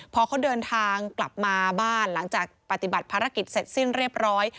พอเขาเดินทางกลับมาบ้านหลังจากปฏิบัติภารกิจเสร็จสิ้นเรียบร้อย